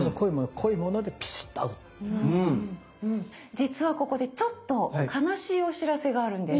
実はここでちょっと悲しいお知らせがあるんです。